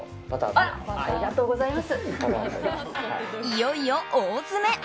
いよいよ大詰め。